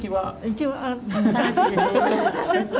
一番楽しいです。